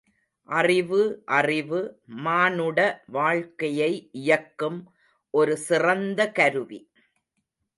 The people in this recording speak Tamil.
அறிவு அறிவு, மானுட வாழ்க்கையை இயக்கும் ஒரு சிறந்த கருவி.